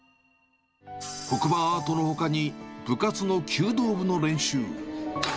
黒板アートのほかに部活の弓道部の練習。